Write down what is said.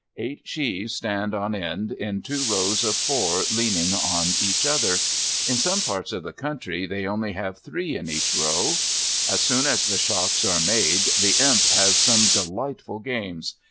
Eight sheaves stand on end in two rows of four leaning on each other. In some parts of the country they only have three in each row. As soon as the shocks are made the Imp has some delightful games.